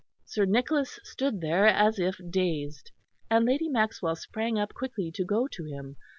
Sir Nicholas stood there as if dazed, and Lady Maxwell sprang up quickly to go to him.